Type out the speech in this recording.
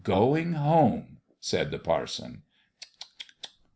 " Going home," said the parson.